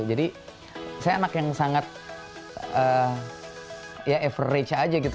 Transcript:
jadi saya anak yang sangat average aja gitu